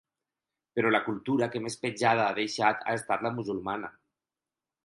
Però la cultura que més petjada ha deixat ha estat la musulmana.